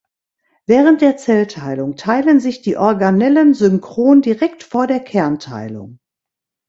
Während der Zellteilung teilen sich die Organellen synchron direkt vor der Kernteilung.